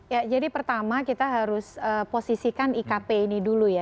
ya jadi pertama kita harus posisikan ikp ini dulu ya